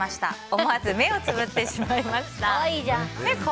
思わず目をつぶってしまいました。